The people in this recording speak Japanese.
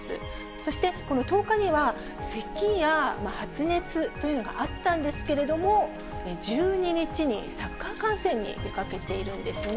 そしてこの１０日には、せきや発熱というのがあったんですけれども、１２日にサッカー観戦に出かけているんですね。